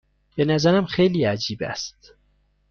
به نظرم خیلی عجیب است.